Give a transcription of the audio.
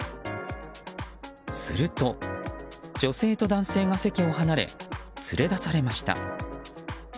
すると、女性と男性が席を離れ連れ出されました。